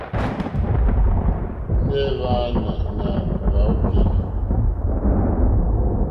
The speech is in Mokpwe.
Nɛh Hwaana na hweyokoeli?